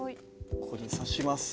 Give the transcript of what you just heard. ここで刺します。